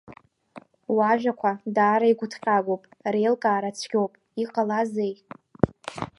Уажәақәа даара игәҭҟьагоуп, реилкаара цәгьоуп, иҟалазеи?